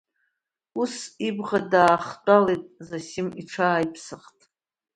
Ус ибӷа даахтәалеит Зосим, иҽааиԥсахит.